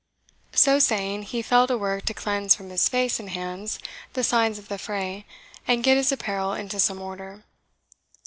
So saying, he fell to work to cleanse from his face and hands the signs of the fray, and get his apparel into some order.